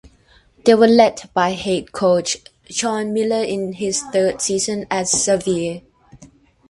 They were led by head coach Sean Miller in his third season at Xavier.